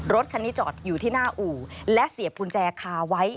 รถคันนี้จอดอยู่ที่หน้าอู่และเสียบกุญแจคาไว้